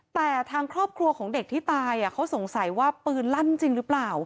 แต่ทางครอบครัวของเด็กที่ตายเขาสงสัยว่าปืนลั่นจริงหรือเปล่า